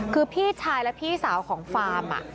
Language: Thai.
คือพี่ชายและพี่สาวของฟาร์ม